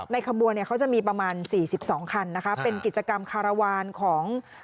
ในขบวนเขาจะมีประมาณ๔๒คันเป็นกิจกรรมคารวานของ